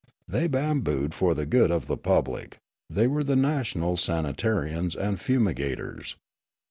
They bambooed for the good of the public ; they were the national sanitarians and fumiga tors.